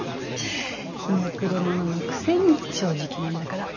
ひねくれ者のくせに正直なんだから。